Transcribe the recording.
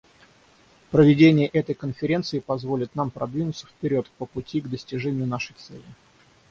Проведение этой конференции позволит нам продвинуться вперед по пути к достижению нашей цели.